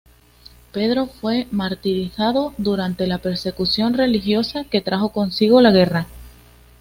Pedro fue martirizado durante la persecución religiosa que trajo consigo la guerra.